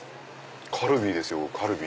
カルビですよカルビ。